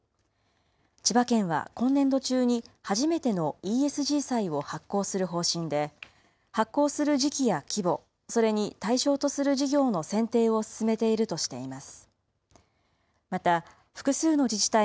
千葉県は今年度中に初めてのＥＳＧ債を発行する方針で、発行する時期や規模、それに対象とする事業の選定を進めているとしています。